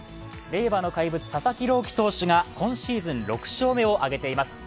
令和の怪物・佐々木朗希投手が今シーズン６勝目を挙げています。